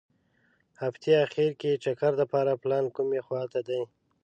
هغتې اخیر کې چکر دپاره پلان کومې خوا ته دي.